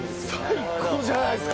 最高じゃないですか。